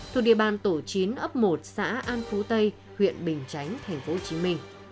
thuộc địa bàn tổ chín ấp một xã an phú tây huyện bình chánh tp hcm